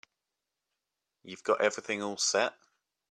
You've got everything all set?